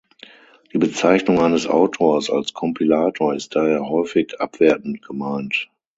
Die Bezeichnung eines Autors als Kompilator ist daher häufig abwertend gemeint.